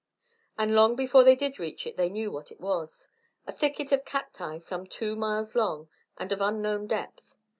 And long before they did reach it they knew what it was a thicket of cacti some two miles long and of unknown depth.